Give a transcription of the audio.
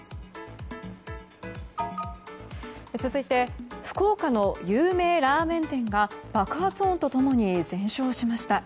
続いて福岡の有名ラーメン店が爆発音と共に全焼しました。